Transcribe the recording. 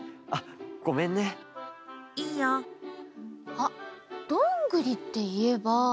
あっどんぐりっていえば。